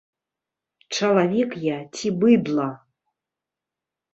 Чалавек я ці быдла?